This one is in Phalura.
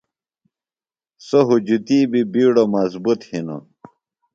سوۡ ہُجتی بیۡ بِیڈو مضبُط ہِنوۡ۔